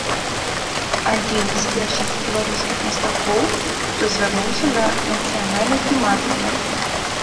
Адзін з першых беларускіх мастакоў, хто звярнуўся да нацыянальнай тэматыкі.